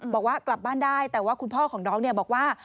บอกว่ากลับบ้านได้แต่ว่าคุณพ่อของน้องเนี่ยบอกว่า